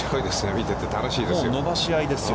見てて楽しいですよ。